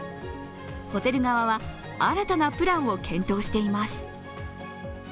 ホテル側は新たなプランを検討しています。